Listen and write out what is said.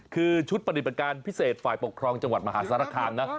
คือชุดปฏิบัติการพิเศษฝ่ายปกครองจังหวัดมหาสารคามนะ